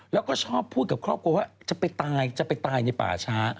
แล้วก็ชอบพูดกับครอบครัวว่าจะไปตายจะไปตายในป่าช้า